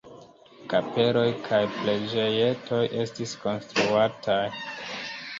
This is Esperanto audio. Kapeloj kaj preĝejetoj estis konstruataj.